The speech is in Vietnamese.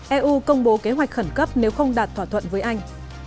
eu công bố kế hoạch khẩn cấp nếu không đạt thỏa thuận với anh